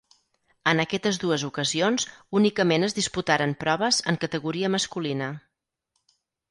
En aquestes dues ocasions únicament es disputaren proves en categoria masculina.